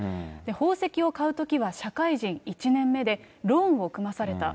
宝石を買うときは社会人１年目で、ローンを組まされた。